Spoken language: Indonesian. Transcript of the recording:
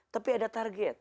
tapi ada target